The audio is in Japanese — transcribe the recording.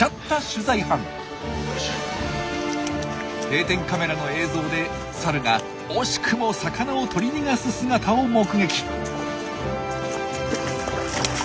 定点カメラの映像でサルが惜しくも魚を取り逃がす姿を目撃。